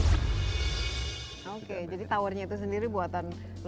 oke jadi towernya itu sendiri buatan